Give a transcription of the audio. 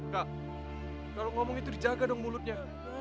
kak kalau ngomong itu dijaga dong mulutnya